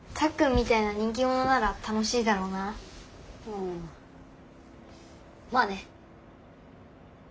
んまあね。